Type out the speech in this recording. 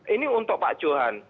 ini untuk pak johan